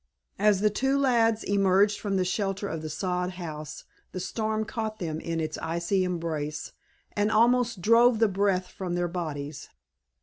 As the two lads emerged from the shelter of the sod house the storm caught them in its icy embrace and almost drove the breath from their bodies.